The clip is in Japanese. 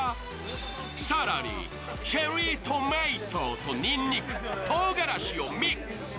更に、チェリートマトとにんにくとうがらしをミックス。